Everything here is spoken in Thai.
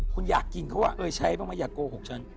คุณอยากกินเค้าว่าเออใช่ป่ะไม่อยากโกหกฉัน